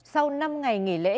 sau năm ngày nghỉ lễ